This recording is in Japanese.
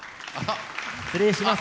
失礼します。